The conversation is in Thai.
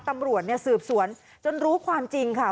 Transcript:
ตำรวจเนี่ยสืบสวนจนรู้ความจริงค่ะ